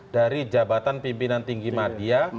dari jabatan pimpinan tinggi media